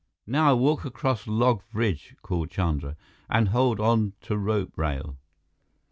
"Now, walk across log bridge," called Chandra, "and hold on to rope rail."